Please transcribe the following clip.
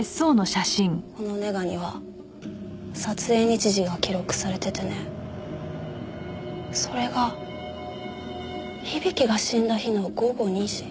このネガには撮影日時が記録されててねそれが響が死んだ日の午後２時。